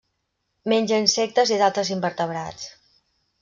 Menja insectes i d'altres invertebrats.